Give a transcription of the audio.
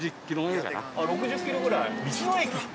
６０キロぐらい。